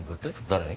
誰に？